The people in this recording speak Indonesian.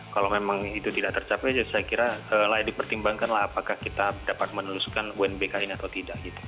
kalau memang itu tidak tercapai saya kira layak dipertimbangkan lah apakah kita dapat meneluskan unbk ini atau tidak